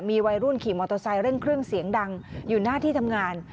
มีวัยรุ่นขี่มอเตอร์ไซค์เร่งเครื่องเสียงดังอยู่หน้าที่ทำงาน